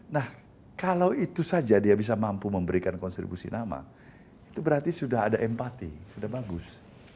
nah kalau itu saja dia bisa mampu memberikan kontribusi nama itu berarti sudah ada empati sudah bagus